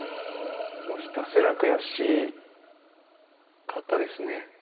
もうひたすら悔しかったですね。